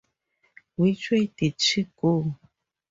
Which way did she go?